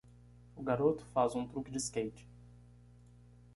O garoto faz um truque de skate.